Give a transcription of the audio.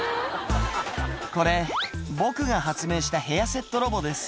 「これ僕が発明したヘアセットロボです」